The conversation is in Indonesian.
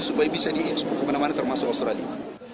supaya bisa diekspor kemana mana termasuk australia